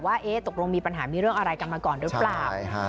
ว่าตกลงมีปัญหามีเรื่องอะไรกันมาก่อนหรือเปล่า